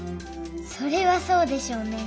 それはそうでしょうね。